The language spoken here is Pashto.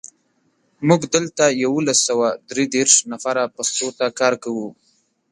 موږ دلته یولس سوه درودېرش نفره پښتو ته کار کوو.